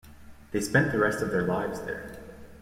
They spent the rest of their lives there.